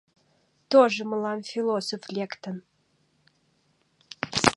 Тоже мылам философ лектын!